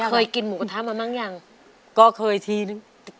เคยกินหมูกะท้ามาไหมก็เคยทีนึง